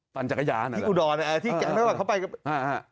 ปั่นจักรยาน่ะหรอที่อุดรน่ะที่แก๊งนักปั่นเข้าไปกัน